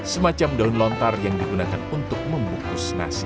semacam daun lontar yang digunakan untuk membungkus nasi